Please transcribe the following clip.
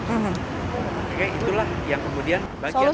oke itulah yang kemudian bagian kami